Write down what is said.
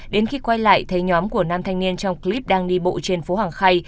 đến khi quay lại thấy nhóm của nam thanh niên trong clip đang đi bộ trên phố hàng khay